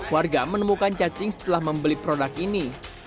warga menemukan cacing setelah membeli produk ini